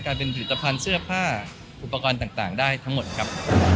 เป็นผลิตภัณฑ์เสื้อผ้าอุปกรณ์ต่างได้ทั้งหมดครับ